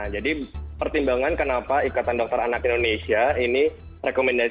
jadi pertimbangan kenapa ikatan dokter anak indonesia ini rekomendasi